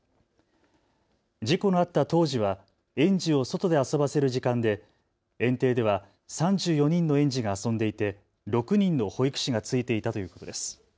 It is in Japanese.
事故のあった当時は園児を外で遊ばせる時間で園庭では３４人の園児が遊んでいて６人の保育士がついていたということです。